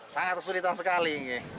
sangat kesulitan sekali